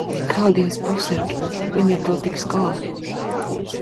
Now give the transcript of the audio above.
Kā, Dievs pasargi, viņi ar to tiks galā?